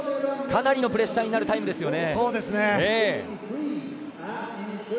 かなりのプレッシャーになるタイムですよね。